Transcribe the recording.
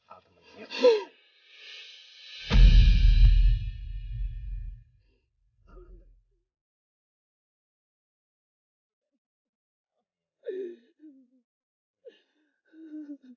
al temenin pulang